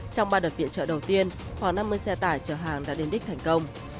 trong ba đợt viện trợ đầu tiên khoảng năm mươi xe tải chở hàng đã đến đích thành công